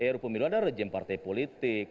ruu pemilu ada rejem partai politik